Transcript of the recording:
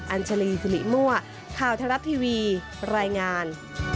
อัญชลีสิริมั่วข่าวทรัฐทีวีรายงาน